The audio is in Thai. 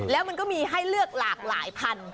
แล้วมันก็มีให้เลือกหลากหลายพัน